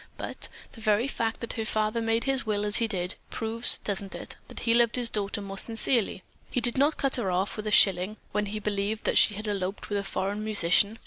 But, the very fact that the father made his will as he did, proves, doesn't it, that he loved his daughter more sincerely? He did not cut her off with a shilling when he believed that she had eloped with a foreign musician.